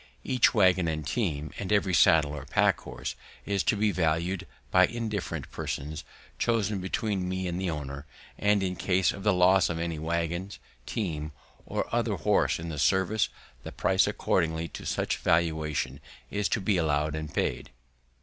Each waggon and team, and every saddle or pack horse, is to be valued by indifferent persons chosen between me and the owner; and in case of the loss of any waggon, team, or other horse in the service, the price according to such valuation is to be allowed and paid.